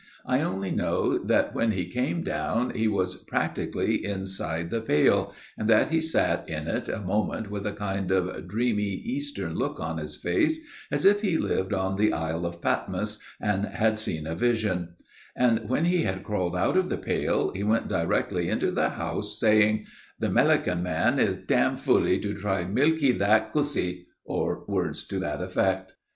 I only know that when he came down he was practically inside the pail, and that he sat in it a moment with a kind of dreamy eastern look on his face, as if he lived on the isle of Patmos and had seen a vision. And when he had crawled out of the pail he went directly into the house, saying, 'The Melican man is dam foolee to try to milkee that cussee!' or words to that effect. [Illustration: PRACTICALLY INSIDE THE PAIL.